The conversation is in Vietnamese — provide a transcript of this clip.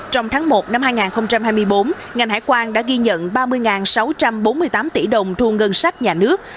trong tháng một năm hai nghìn hai mươi bốn ngành hải quan đã ghi nhận ba mươi sáu trăm bốn mươi tám tỷ đồng thu ngân sách nhà nước